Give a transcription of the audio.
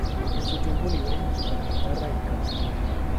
En su tiempo libre, toca la guitarra y canta.